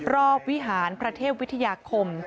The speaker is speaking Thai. วิหารพระเทพวิทยาคม